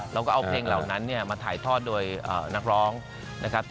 เราก็เอาเพลงเหล่านั้นเนี่ยมาถ่ายทอดโดยนักร้องนะครับ